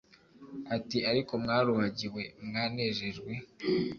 ati: “Ariko mwaruhagiwe, mwanejejwe,